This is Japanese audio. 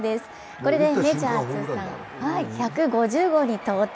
これでメジャー通算１５０号に到達。